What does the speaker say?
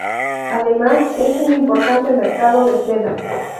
Además, es un importante mercado de seda.